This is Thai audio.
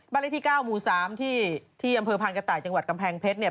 เลขที่๙หมู่๓ที่อำเภอพานกระต่ายจังหวัดกำแพงเพชรเนี่ย